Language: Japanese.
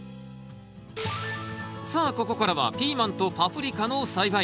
さあここからはピーマンとパプリカの栽培。